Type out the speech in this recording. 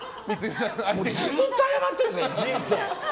ずっと謝ってるんですよ、人生。